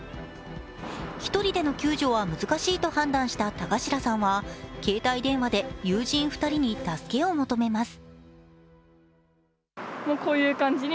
１人での救助は難しいと判断した田頭さんは携帯電話で友人２人に助けを求めます。